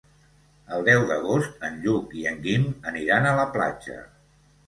El deu d'agost en Lluc i en Guim aniran a la platja.